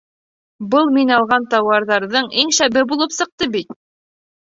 — Был мин алған тауарҙарҙың иң шәбе булып сыҡты бит!